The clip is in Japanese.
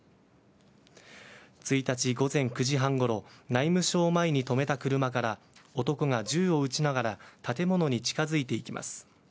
１日午前９時半ごろ内務省前に止めた車から男が銃を撃ちながら建物に近づいていきます。